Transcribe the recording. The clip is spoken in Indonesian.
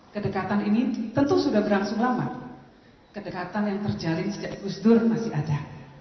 kedekatan ini tentu sudah berlangsung lama kedekatan yang terjalin sejak gus dur masih ada